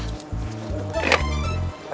lem kamu udah